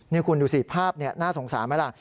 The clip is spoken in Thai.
นี่คุณดูสิภาพน่าสงสารไหมล่ะ